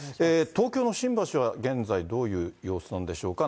東京の新橋は現在どういう様子なんでしょうか。